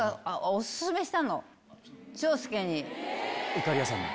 いかりやさんに。